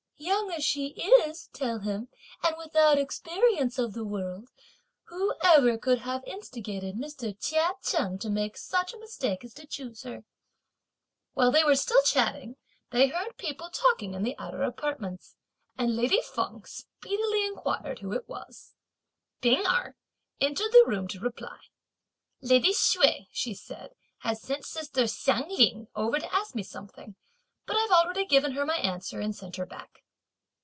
'Young as she is,' tell him, 'and without experience of the world, who ever could have instigated Mr. Chia Cheng to make such a mistake as to choose her.'" While they were still chatting, they heard people talking in the outer apartments, and lady Feng speedily inquired who it was. P'ing Erh entered the room to reply. "Lady Hsüeh," she said, "has sent sister Hsiang Ling over to ask me something; but I've already given her my answer and sent her back."